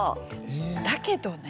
だけどね